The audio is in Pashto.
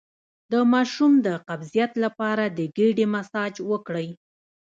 د ماشوم د قبضیت لپاره د ګیډې مساج وکړئ